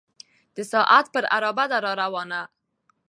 د ساعت پر عرابه ده را روانه